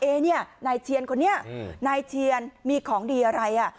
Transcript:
เนี่ยนายเชียนคนนี้นายเชียนมีของดีอะไรอ่ะ